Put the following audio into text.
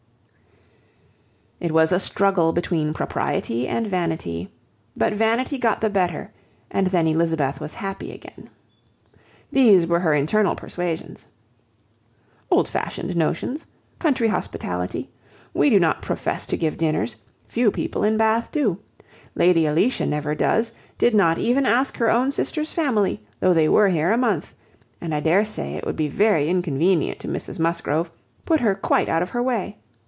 It was a struggle between propriety and vanity; but vanity got the better, and then Elizabeth was happy again. These were her internal persuasions: "Old fashioned notions; country hospitality; we do not profess to give dinners; few people in Bath do; Lady Alicia never does; did not even ask her own sister's family, though they were here a month: and I dare say it would be very inconvenient to Mrs Musgrove; put her quite out of her way.